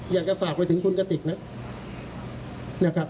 อยากจะฝากไปถึงคุณกะติกนะ